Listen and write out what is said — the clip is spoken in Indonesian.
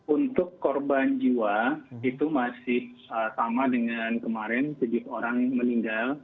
untuk korban jiwa itu masih sama dengan kemarin tujuh orang meninggal